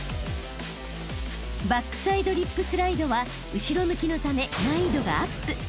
［バックサイドリップスライドは後ろ向きのため難易度がアップ。